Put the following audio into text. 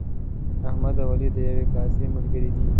احمد او علي د یوې کاسې ملګري دي.